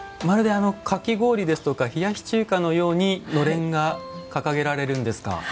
まるでかき氷ですとか冷やし中華のようにのれんが掲げられるんですか？